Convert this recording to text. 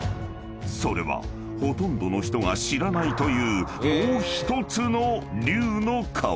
［それはほとんどの人が知らないというもう１つの龍の瓦］